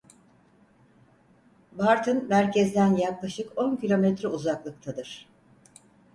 Bartın merkezden yaklaşık on kilometre uzaklıktadır.